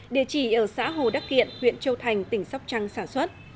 địa chỉ ở xã hồ đắc kiện huyện châu thành tỉnh sóc trăng sản xuất